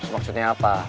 terus maksudnya apa